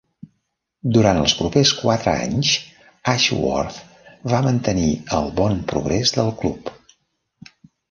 Durant els propers quatre anys Ashworth va mantenir el bon progrés del club.